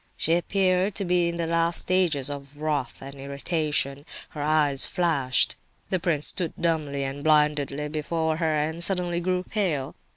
_" She appeared to be in the last stages of wrath and irritation; her eyes flashed. The prince stood dumbly and blindly before her, and suddenly grew pale.